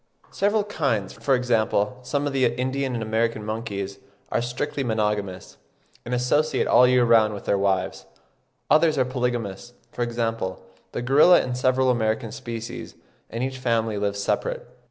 Several kinds, for example some of the Indian and American monkeys, are strictly monogamous, and associate all the year round with their wives. Others are polygamous, for example the gorilla and several American species, and each family lives separate.